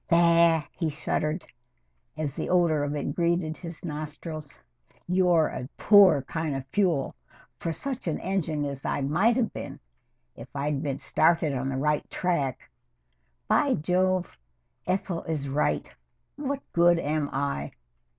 "Bah!" he shuddered as the odor of it greeted his nostrils. "You're a poor kind of fuel for such an engine as I might have been if I'd been started on the right track. By Jove! Ethel is right. What good am I?